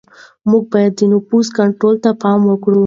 موږ باید د نفوس کنټرول ته پام وکړو.